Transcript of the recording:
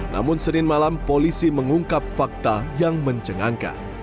namun senin malam polisi mengungkap fakta yang mencengangkan